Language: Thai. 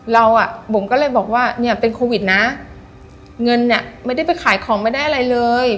เราก็เลยบอกว่าเป็นโควิดนะเงินไม่ได้ไปขายของไม่ได้อะไรเลย